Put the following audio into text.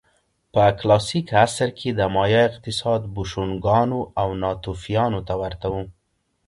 په کلاسیک عصر کې د مایا اقتصاد بوشونګانو او ناتوفیانو ته ورته و